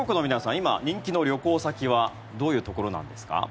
今、人気の旅行先はどういうところなんですか？